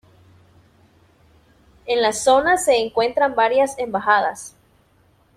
En la zona se encuentran varias embajadas.